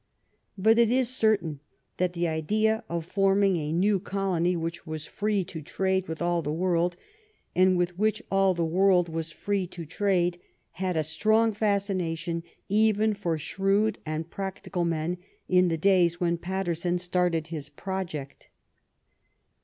But it is certain that the idea of forming a new colony which was free to trade with all the world and with which all the world was free to trade, had a strong fascination even for shrewd and practical men in the days when Paterson started his project.